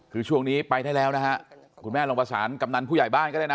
คือช่วงนี้ไปได้แล้วนะฮะคุณแม่ลองประสานกำนันผู้ใหญ่บ้านก็ได้นะ